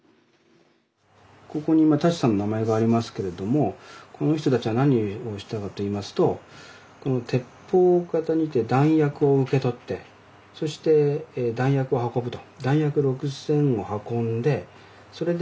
ここに舘さんの名前がありますけれどもこの人たちは何をしたかといいますとこの鉄砲方にて弾薬を受け取ってそして弾薬を運ぶと。